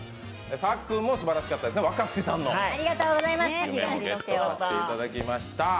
さっくんもすばらしかったですね、若槻さんの商品をゲットしていただきました。